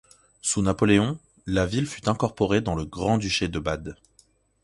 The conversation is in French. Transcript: Sous Napoléon, la ville fut incorporée dans le Grand-duché de Bade.